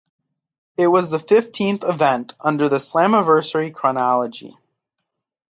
It was the fifteenth event under the Slammiversary chronology.